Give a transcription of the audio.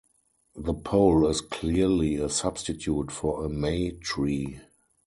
The pole is clearly a substitute for a May-tree.